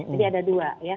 jadi ada dua